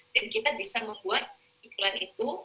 dan kita bisa membuat iklan itu